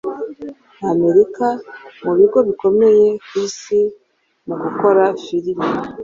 nka Amerika mu bigo bikomeye ku isi mu gukora filimi